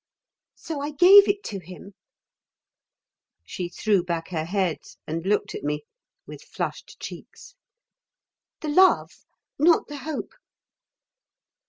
So I gave it to him." She threw back her head and looked at me, with flushed cheeks. "The love, not the hope."